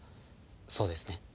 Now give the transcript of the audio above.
そうですね？